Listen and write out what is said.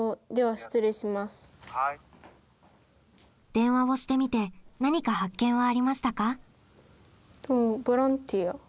電話をしてみて何か発見はありましたか？